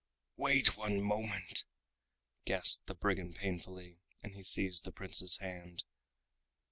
"Wait one moment!" gasped the brigand painfully, and he seized the Prince's hand.